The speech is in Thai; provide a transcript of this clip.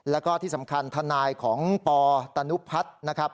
แล้วก็ที่สำคัญทนายของปตนุพัฒน์นะครับ